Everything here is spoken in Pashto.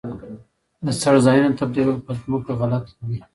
د څړځایونو تبدیلول په ځمکو غلط دي.